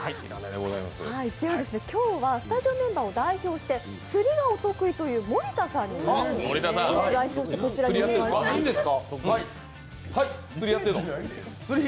今日はスタジオメンバーを代表して、釣りがお得意という森田さんに代表してこちらにお願いします。